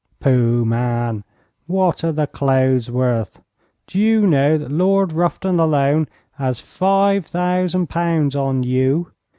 'Pooh, man, what are the clothes worth? D'you know that Lord Rufton alone has five thousand pounds on you?